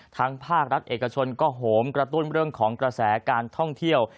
ภาครัฐเอกชนก็โหมกระตุ้นเรื่องของกระแสการท่องเที่ยว